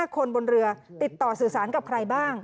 คนบนเรือติดต่อสื่อสารกับใครบ้าง